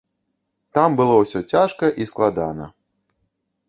Там было ўсё цяжка і складана.